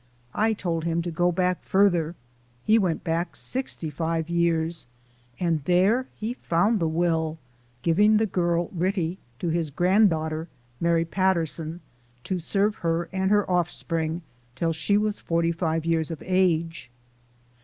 I told him to go back furder. He went back sixty five years, and there he found the will giving the girl Ritty to his grand daughter (Mary Patterson), to serve her and her offspring till she was forty five years of age.